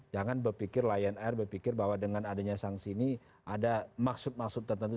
jangan berpikir lion air berpikir bahwa dengan adanya sanksi ini ada maksud maksud tertentu